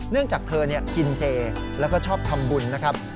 จากเธอกินเจแล้วก็ชอบทำบุญนะครับ